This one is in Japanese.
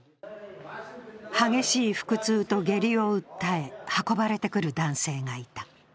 激しい腹痛と下痢を訴え運ばれてくる男性がいた。